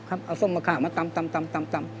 เอาส้มมะขาวมาตำตำตำตำ